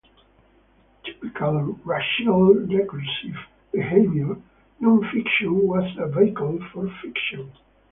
In typical Rachilde recursive behavior, non-fiction was a vehicle for fiction.